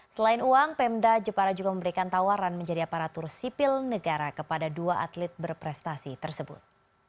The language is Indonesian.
selain uang pemda jepara juga memberikan tawaran menjadi aparatur sipil negara kepada dua atlet berprestasi tersebut